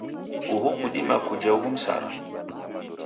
Uhu kudima kuja ughu msara?